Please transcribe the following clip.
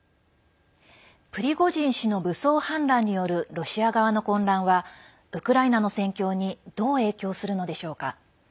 プリゴジン氏の武装反乱によるロシア側の混乱はウクライナの戦況にどう影響するのでしょうか。